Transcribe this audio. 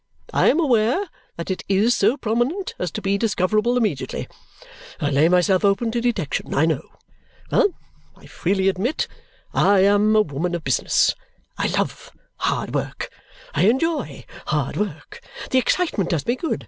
I am aware that it is so prominent as to be discoverable immediately. I lay myself open to detection, I know. Well! I freely admit, I am a woman of business. I love hard work; I enjoy hard work. The excitement does me good.